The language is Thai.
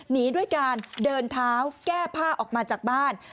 หนีด้วยการเดินเท้าแก้ผ้าออกมาจากบ้าน